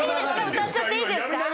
歌っちゃっていいですか？